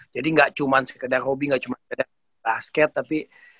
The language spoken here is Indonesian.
jadi gak cuman sekedar hobi gak cuman sekedar basket tapi